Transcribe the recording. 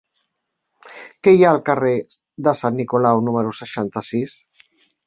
Què hi ha al carrer de Sant Nicolau número seixanta-sis?